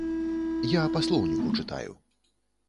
Я па слоўніку чытаю.